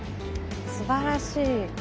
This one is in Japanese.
すばらしい。